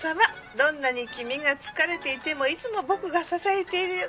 どんなに君が疲れていてもいつも僕が支えているよ」。